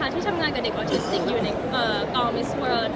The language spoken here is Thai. ที่ทำงานกับเด็กออทิสติกอยู่ในกองมิสเวิร์น